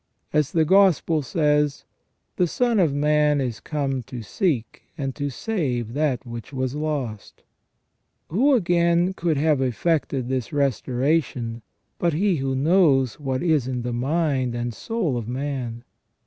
As the Gospel says : "The Son of Man is come to seek and to save that which was lost ". Who, again, could have effected this restoration but He who knows what is in the mind and soul of man